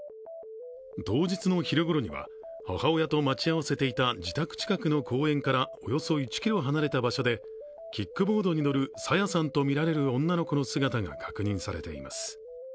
当日の昼ごろには母親と待ち合わせていた自宅近くの公園からおよそ１ｋｍ離れた場所でキックボードに乗る朝芽さんとみられる女の子の姿が確認されています。